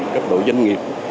cấp độ doanh nghiệp